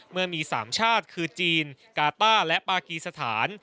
เมื่อมี๓ชาติคือจีนกาต้าและปากีสถาน